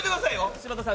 柴田さん！